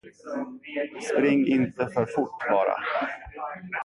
Spring inte för fort, bara!